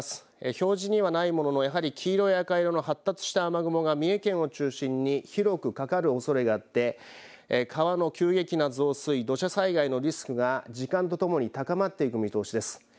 表示にはないもののやはり黄色や赤色の発達した雨雲が三重県を中心に広くかかるおそれがあって川の急激な増水、土砂災害のリスクが時間とともに高まっていく見通しです。